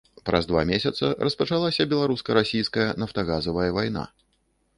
Праз два месяца распачалася беларуска-расійская нафтагазавая вайна.